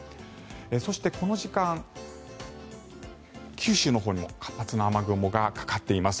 そして、この時間九州のほうにも活発な雨雲がかかっています。